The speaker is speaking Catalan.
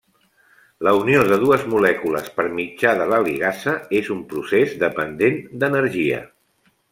La unió de dues molècules per mitjà de la ligasa és un procés dependent d'energia.